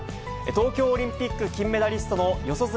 東京オリンピック金メダリストの四十住